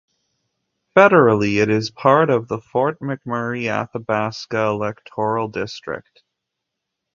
Federally, it is part of the Fort McMurray-Athabasca electoral district.